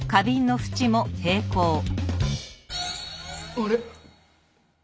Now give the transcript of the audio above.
あれ？